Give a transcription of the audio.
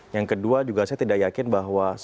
yang kedua juga saya tidak yakin bahwa